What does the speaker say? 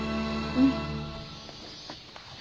うん。